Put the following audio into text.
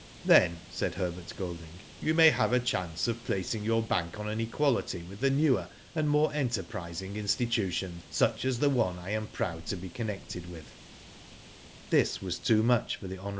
" Then/' said Herbert Golding, " you may have a chance of placing your bank on an equality with the newer and more enterprising institutions, such as the one I am proud to be connected with/' This was too much for the hon.